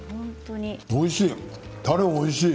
おいしい。